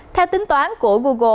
theo tính toán của google